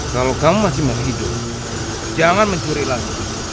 kalau kamu masih hidup jangan mencuri lagi